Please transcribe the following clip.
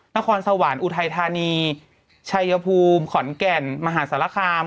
นครสวรรค์อุทัยธานีชัยภูมิขอนแก่นมหาสารคาม